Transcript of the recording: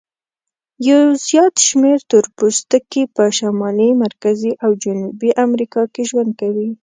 یو زیات شمیر تور پوستکي په شمالي، مرکزي او جنوبي امریکا کې ژوند کوي.